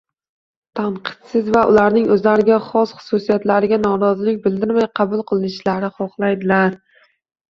tanqidsiz va ularning o‘zlariga xos xususiyatlariga norozilik bildirmay qabul qilinishni xohlaydilar.